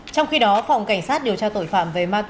trong khi đó phòng cảnh sát điều tra